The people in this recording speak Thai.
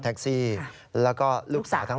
มันเกิดเหตุเป็นเหตุที่บ้านกลัว